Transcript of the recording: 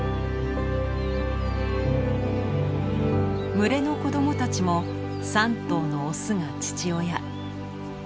群れの子供たちも３頭のオスが父親。